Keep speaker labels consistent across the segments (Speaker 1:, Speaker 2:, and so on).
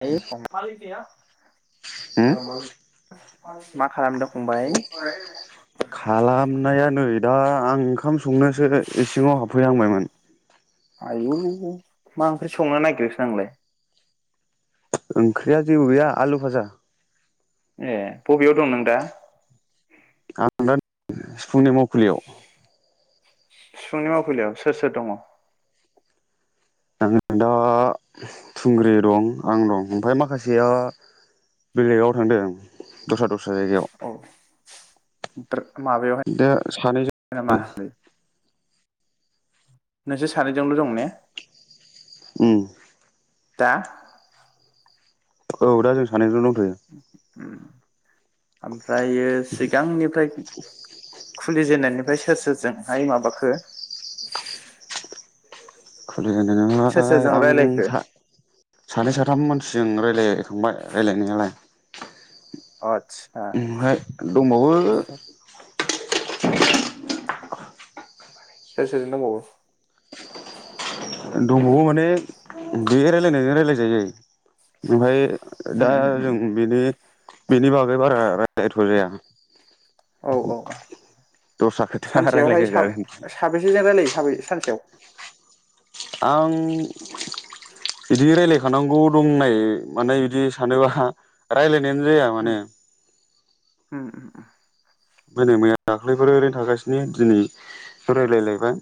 Speaker 1: [unintelligible] मा खालामदों फंबाय? [inaudible]
Speaker 2: खालामनायानै दा आं ओंखाम संनोसो इसिङाव हाबफैहांबायमोन।
Speaker 1: आयौ मा ओंख्रि संनो नागिरोखो नोंलाय?
Speaker 2: ओंख्रिया जेबो गैया आलु फाजा।
Speaker 1: ए बबेयाव दं नों दा?
Speaker 2: आं दा सिफुंनि मावखुलियाव
Speaker 1: सिफुंनि मावखुलियाव सोर सोर दङ?
Speaker 2: आं दा थुंग्रि दं आं दं ओमफाय माखासेया बेलेगाव थांदों दस्रा दस्रा जायगायाव।
Speaker 1: औ [inaudible] माबायावहाय
Speaker 2: दा सानैजों
Speaker 1: [inaudible] नोंसोर सानैजोंल' दं ने?
Speaker 2: उम
Speaker 1: दा
Speaker 2: औ दा जों सानैजोंल' दं।
Speaker 1: [inaudible] [inaudible] फ्रायो सिगांनिफ्राय खुलि जेननाय। ओमफ्राय सोर सोरजोंहाय माबाखो सोर
Speaker 2: नालाय
Speaker 1: सोरजों
Speaker 2: आं
Speaker 1: रायलायखो
Speaker 2: सा सानै साथाम मानसि जों रायलायखांबाय रायलायनायालाय
Speaker 1: आदस
Speaker 2: ओमफ्राय दंबावो।
Speaker 1: सोर सोरजों दंबावो?
Speaker 2: दंबावो माने बे रायलायनायजों रायलायजायो ओमफाय। दा
Speaker 1: उम उम उम
Speaker 2: जों बिनि। बेनि बागै बारा रायलायथ' जाया।
Speaker 1: औ औ
Speaker 2: दस्रा खोथा रायज्लाय
Speaker 1: सानसेयावहाय सा
Speaker 2: जागोन
Speaker 1: साबेसेजों रायलायो साबे सानसेयाव?
Speaker 2: आं बिदि रायलायखानांगौ दंनाय मानाय बिदि सानोबा रायलाय
Speaker 1: ओम ओम ओम ओम।
Speaker 2: मैया दाख्लैफोर ओरैनो थागासिनो दिनै रायलायलायबाय।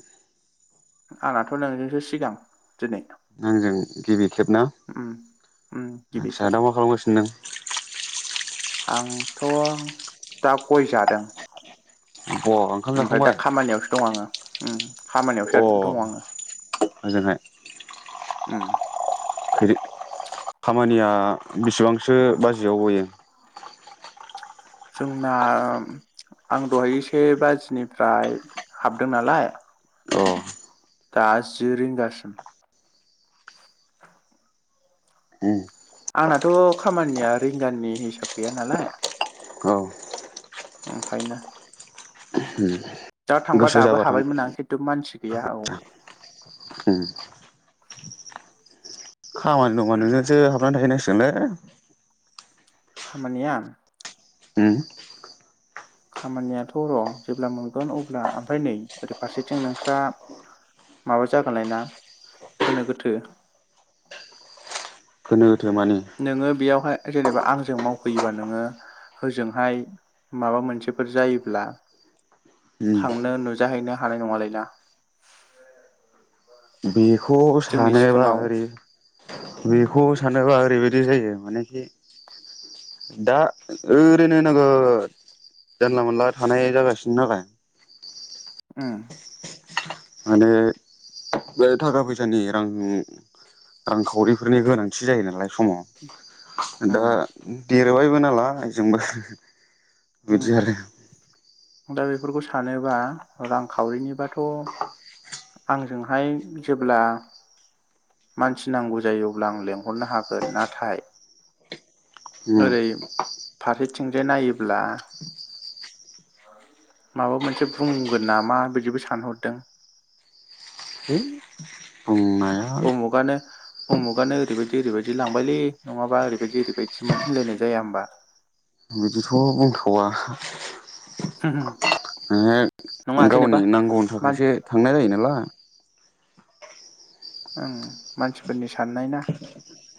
Speaker 1: आंनाथ' नोंजोंसो सिगां। दिनै
Speaker 2: आंजों। गिबि। खेबना
Speaker 1: उम उम
Speaker 2: आ
Speaker 1: गिबि
Speaker 2: फिसा
Speaker 1: खेब
Speaker 2: दा मा खालामगासिनो नों?
Speaker 1: थ दा गय जादों।
Speaker 2: अ ओंखाम
Speaker 1: ओमफाय दा
Speaker 2: जाखांबाय
Speaker 1: खामानियावसो दं आंङो। ओम।
Speaker 2: अ ओजोंहाय।
Speaker 1: ओम।
Speaker 2: खामानिया बेसिबांसो बाजियाव गयो?
Speaker 1: जोंना आं दहाय से बाजिनिफ्राय हाबदों नालाय।
Speaker 2: अ
Speaker 1: दा जि रिंगासिम।
Speaker 2: उम
Speaker 1: आंनाथ' खामानिया रिंगानि हिसाब गैया नालाय।
Speaker 2: औ
Speaker 1: ओंखायनो। दा थांबा
Speaker 2: गोसो
Speaker 1: दाबो
Speaker 2: जाबा थां
Speaker 1: हाबायमोन आं खिन्थु मानसि गैया औ।
Speaker 2: उम खामानि दंबा नोंजोंसो हाबनानै थाहैनांसिगोनलै।
Speaker 1: खामानिया?
Speaker 2: ओम।
Speaker 1: खामानियाथ' र' जेब्ला मोनगोन अब्ला ओमफ्राय नै ओरै फारसेथिं नोंस्रा माबा जागोनलाय ना गोनो गोथो।
Speaker 2: गोनो गोथो मानि
Speaker 1: नोंङो बेयावहाय जेनेबा आंजों मावफैयोबा नोंङो होजोंहाय माबा मोनसेफोर जायोब्ला।
Speaker 2: उम
Speaker 1: थांनो नुजाहैनो हानाय नङालैना
Speaker 2: बे खौ सानोबा
Speaker 1: सिफुङाव
Speaker 2: ओरै बेखौ सानोबा ओरैबायदि जायो मानेखि दा ओरैनो नोगोद जानला मोनला थानाय जागासिनो नालाय।
Speaker 1: ओम।
Speaker 2: माने बे थाखा फैसानि रां रांखावरिफोरनि गोनांथि जायो नालाय समाव दा
Speaker 1: उम
Speaker 2: देरबायबो नालाय जोंबो
Speaker 1: उम
Speaker 2: बिदि आरो
Speaker 1: दा बेफोरखौ सानोबा रांखावरिनिबाथ' आंजोंहाय जेब्ला मानसि नांगौ जायो अब्ला आं लेंहरनो हागोन नाथाय
Speaker 2: उम
Speaker 1: ओरै फारि थिंजाय नायो- ब्ला माबा मोनसे बुंगोन नामा बिदिबो सानहरदों।
Speaker 2: है बुंनाया
Speaker 1: उमुगानो-उमुगानो ओरैबायदि-ओरैबायदि लांबायलै नङाबा ओरैबायदि-ओरैबायदि सोमोन होनलायनाय जाया होमबा।
Speaker 2: बिदिथ' बुंथावा
Speaker 1: हो होम
Speaker 2: ए गावनि नांगौनि
Speaker 1: मान
Speaker 2: थाखायसो थांनाय जायो नालाय
Speaker 1: ओं मानसिफोरनि साननाय ना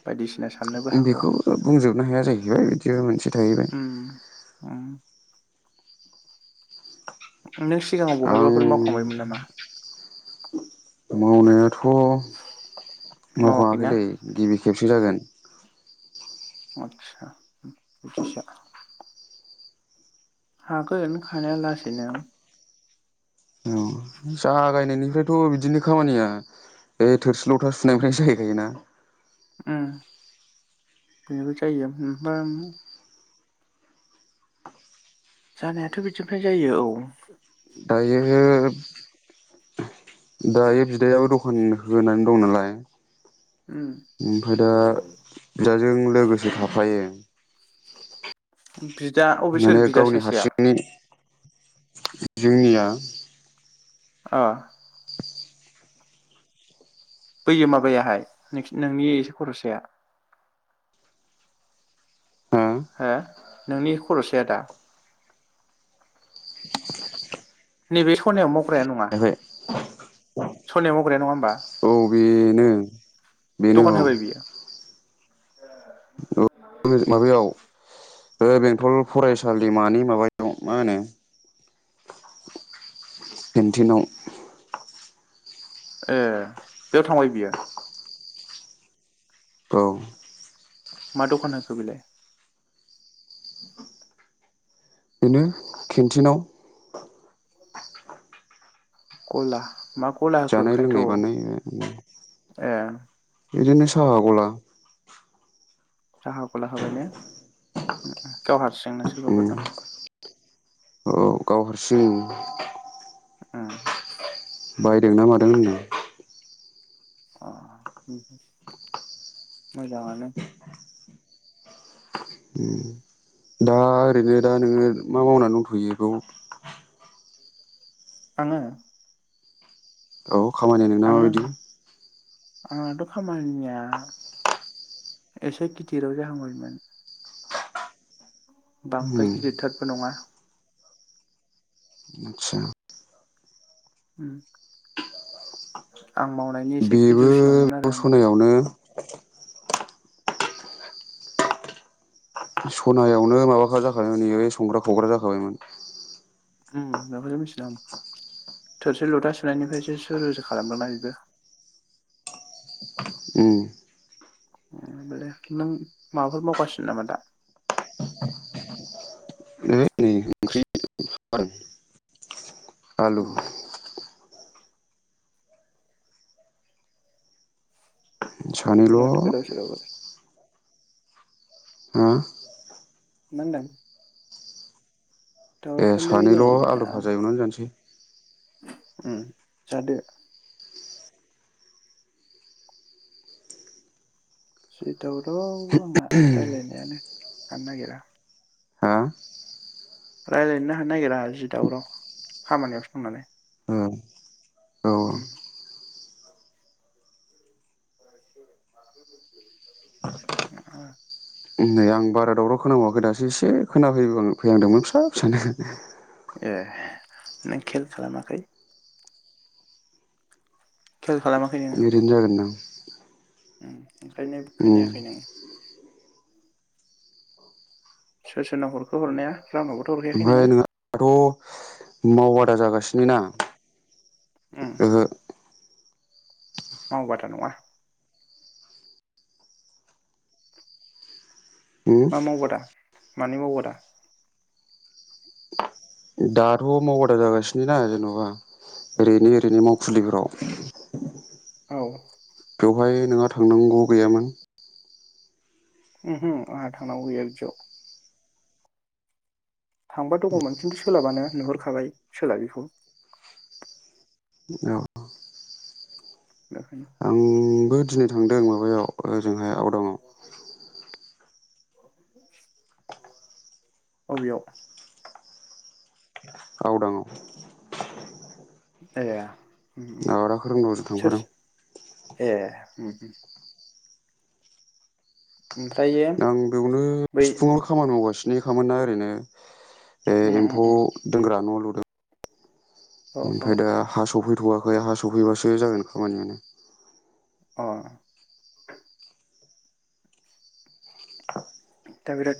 Speaker 1: बायदिसिना सा-
Speaker 2: बेखौ बुंजोबनो हाया जाहैबाय बिदि मोनसे थाहैबाय।
Speaker 1: उम [inaudible] नों सिगाङाव
Speaker 2: आं
Speaker 1: बहायबाफोर मावखांबायमोन नामा?
Speaker 2: थ' मावखाङाखै
Speaker 1: मावाखैना
Speaker 2: दै गिबि खेबसे जागोन।
Speaker 1: आतसा बिदिसो हागोन हानाया लासैनो
Speaker 2: औ जागायनायनिफ्रायथ' बिदिनो खामानिया बे थोरसि लथा सुनायनिफ्रायसो जाहैखायोना।
Speaker 1: उम बेबो जायो उम मा जानायाथ' बिदिफ्राय जायो औ।
Speaker 2: दायो-दायो बिदायाबो दखान होनानै दं नालाय
Speaker 1: उम
Speaker 2: ओमफ्राय दा बिदाजों लोगोसे थाफायो।
Speaker 1: [unintelligible] अबे सोर
Speaker 2: माने
Speaker 1: बिदा
Speaker 2: गावनि
Speaker 1: सासेया
Speaker 2: हारसिंनि जोंनिया
Speaker 1: आ बै माबायाहाय नोंसि नोंनि एसे खरसाया। हा नोंनि खर'सायादा नैबे सनायाव माव- ग्राया नङा
Speaker 2: जायाखै
Speaker 1: सनायाव मावग्राया नङा होमबा
Speaker 2: औ बेनो बेनो
Speaker 1: दखान होबाय
Speaker 2: औ
Speaker 1: बियो?
Speaker 2: [unintelligible] माबायाव बे बेंथल फरायसालि दैमानि माबायाव मा होनो केन्टिआव।
Speaker 1: ए बेयाव थांबाय बियो?
Speaker 2: औ
Speaker 1: मा दखान होखो बेलाय?
Speaker 2: बेनो केन्टिनाव।
Speaker 1: गला। मा गला होखो
Speaker 2: जानाय
Speaker 1: ओंखायथ'
Speaker 2: लोंनाय बानाय,
Speaker 1: ए
Speaker 2: बिदिनो साहा गला।
Speaker 1: साहा गला होबाय ने? गावहा सिं ना
Speaker 2: उम
Speaker 1: सोरबाफोर दं?
Speaker 2: सिं।
Speaker 1: उम
Speaker 2: बायदोंना मादों होनो।
Speaker 1: अ मोजाङानो।
Speaker 2: उम दा ओरैनो दा नोङो मा मावना दंथ'यो बाव?
Speaker 1: आङो?
Speaker 2: औ खामानिनाय नोंना
Speaker 1: आङो
Speaker 2: माबायदि?
Speaker 1: आंनाथ' खामानिया एसे गिदिराव जाहांबायमोन।
Speaker 2: उम
Speaker 1: बांद्राय गिदिरथारबो नङा।
Speaker 2: आतसा।
Speaker 1: उम औ [inaudible] आं मावनायनि एसे गोजौसिनावमोन आरो आंना।
Speaker 2: आ [inaudible] सनायावनो माबाखा जाखायमोन बे संग्रा खावग्रा जाखाबायमोन।
Speaker 1: उम बेखौसो मिथिदो आं थोरसि लथा सुनायनिफ्रायसो सु रुसो खालामदों ना बेबो।
Speaker 2: उम
Speaker 1: उम होमबालाय नों माबाफोर मावगासिनो नामा दा?
Speaker 2: है नै ओंख्रि आलु सानैल'
Speaker 1: बिराद गोदाव सोराव
Speaker 2: हो?
Speaker 1: माहोनदों?
Speaker 2: ए
Speaker 1: नै
Speaker 2: सानैल' आलु
Speaker 1: आं
Speaker 2: फाजा एवनानै जानोसै।
Speaker 1: उम जादो। जि दावराव। आंना रायलायनायानो थानो नागिरा
Speaker 2: हा
Speaker 1: रायलायनोनो हानो नागिरा जि दावराव खामानियाव सो दंनालाय
Speaker 2: औ
Speaker 1: उ
Speaker 2: औ
Speaker 1: औ
Speaker 2: नै आं बारा दावराव खोना बावाखै दासो एसे खोनाफै फैहांदोंमोन फिसा फिसानो
Speaker 1: ए नों खेल खालामाखै खेल खालामाखै नोङो
Speaker 2: ओरैनो जागोनदां [inaudible]
Speaker 1: उम ओंखायनो
Speaker 2: उम
Speaker 1: खोनायाखै नों सोर सोरनाव हरखो हरनाया रावनावबोथ' हरखायाखै नोङो
Speaker 2: ओमफ्राय नों हाथ' मावबादा जागासि नोना ओहो
Speaker 1: माव बादा नङा
Speaker 2: उम
Speaker 1: मा मावबादा? मानि मावबादा?
Speaker 2: दाथ' मावबादा जागासिनोना जेन'बा ओरैनि ओरैनि मावखुलिफोराव
Speaker 1: औ
Speaker 2: बेवहाय नोंहा थांनांगौ गैयामोन
Speaker 1: ओहो आंहा थांनांगौ गैया बिदियाव थांबा दङमोन खिन्थु सोलाबाना नुहुरखाबाय सोलाबिखौ
Speaker 2: औ
Speaker 1: बेखायनो
Speaker 2: आंबो दिनै थांदों माबायाव ओजों हाय बाव दङ
Speaker 1: अबियाव
Speaker 2: गावदां आव
Speaker 1: आया या
Speaker 2: दावरा खोरोमदाव जों थांफादों।
Speaker 1: ए उम उम
Speaker 2: आं बेयावनो तिफुंआव खामानि मावगासिनो बिखामोनना ओरैनो ए
Speaker 1: उम उम
Speaker 2: एम्फौ
Speaker 1: उम
Speaker 2: दोनग्रा न' लुदों
Speaker 1: औ औ
Speaker 2: ओमफ्राय दा हा सौफै गथ'वाखै हा सफैबासो जागोन खामानियानो
Speaker 1: अ दा बिराद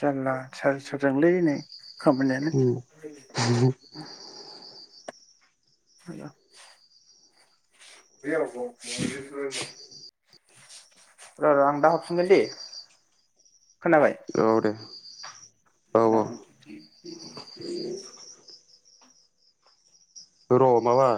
Speaker 1: जानला स सोरजोंलैनाय खामानियानो र' र' आं दा हरफिनगोन दे खोनाबाय
Speaker 2: औ दे औ औ
Speaker 1: [inaudible]
Speaker 2: र' माबा